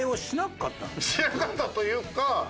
しなかったというか。